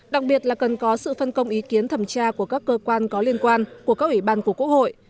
đặc biệt là cần có sự phân công ý kiến thẩm tra của các cơ quan có liên quan của các ủy ban của quốc hội